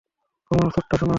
ঘুমাও, ছোট্ট সোনা।